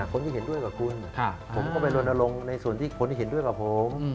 คนที่เห็นด้วยกับคุณผมก็ไปลนลงในส่วนที่คนที่เห็นด้วยกับผม